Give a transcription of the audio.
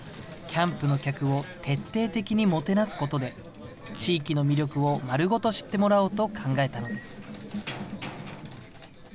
キャンプの客を徹底的にもてなすことで、地域の魅力を丸ごと知ってもらおうと考えたのです。